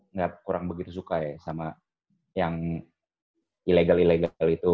nggak kurang begitu suka ya sama yang ilegal ilegal itu